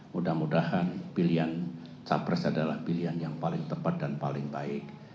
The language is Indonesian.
mudah mudahan pilihan capres adalah pilihan yang paling tepat dan paling baik